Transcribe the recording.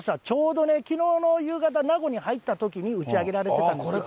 ちょうどね、きのうの夕方、名護に入ったときに打ち上げられてたんです。